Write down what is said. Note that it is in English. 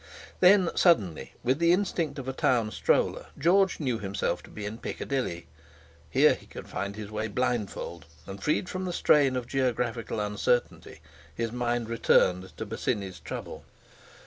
Then suddenly, with the instinct of a town stroller, George knew himself to be in Piccadilly. Here he could find his way blindfold; and freed from the strain of geographical uncertainty, his mind returned to Bosinney's trouble.